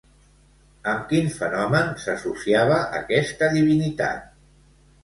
Amb quin fenomen s'associava, aquesta divinitat?